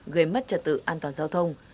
gây mất trật tự an toàn giao thông